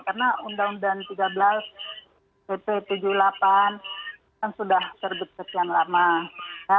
karena undang undang tiga belas pp tujuh puluh delapan kan sudah terbit terbit yang lama